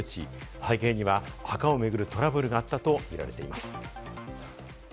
背景には、墓を巡るトラブルがあったとみられています。